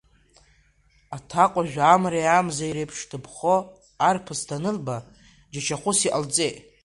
Аҭакәажә амреи амзеи реиԥш дыԥхо арԥыс данылба, џьашьахәыс иҟалҵеит.